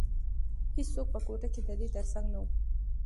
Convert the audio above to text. هیڅوک په کوټه کې د ده تر څنګ نه وو.